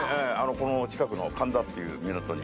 この近くの苅田という港に。